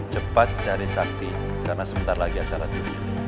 cepat cari sakti karena sebentar lagi ada salah tiga